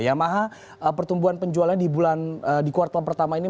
yamaha pertumbuhan penjualan di kuartal pertama tahun dua ribu delapan belas